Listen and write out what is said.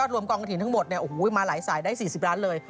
รวมกองกระถิ่นทั้งหมดมาหลายสายได้๔๐ล้านเลย